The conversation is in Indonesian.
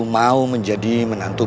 mau menjadi menantu